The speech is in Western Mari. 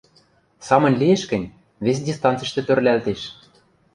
— Самынь лиэш гӹнь, вес дистанциштӹ тӧрлӓлтеш.